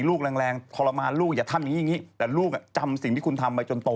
แต่ลูกอ่ะจำสิ่งที่คุณทำไปจนโต